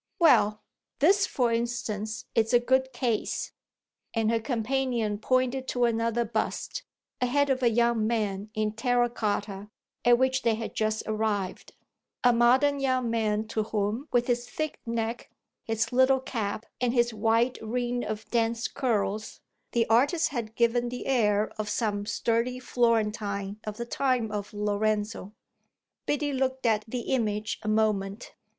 "Well, this for instance is a good case." And her companion pointed to another bust a head of a young man in terra cotta, at which they had just arrived; a modern young man to whom, with his thick neck, his little cap and his wide ring of dense curls, the artist had given the air of some sturdy Florentine of the time of Lorenzo. Biddy looked at the image a moment.